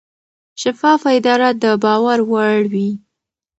شفافه اداره د باور وړ وي.